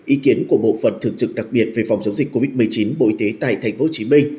ý kiến của bộ phận thường trực đặc biệt về phòng chống dịch covid một mươi chín bộ y tế tại tp hcm